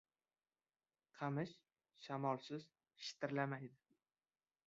• Qamish shamolsiz shitirlamaydi.